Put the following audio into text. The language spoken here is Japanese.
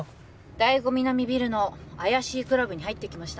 ダイゴ南ビルの怪しいクラブに入っていきました